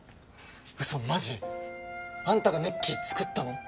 嘘マジ？あんたがネッキー作ったの？